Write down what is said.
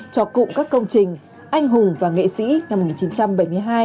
cho cụm các công trình anh hùng và nghệ sĩ năm một nghìn chín trăm bảy mươi hai